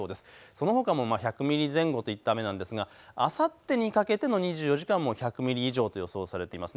そのほかも１００ミリ前後といった雨なんですが、あさってにかけての２４時間も１００ミリ以上と予想されています。